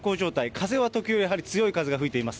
風は時折、やはり強い風が吹いています。